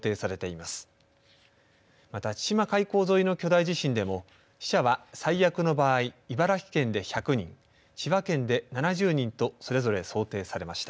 また千島海溝沿いの巨大地震でも死者は最悪の場合茨城県で１００人千葉県で７０人とそれぞれ想定されました。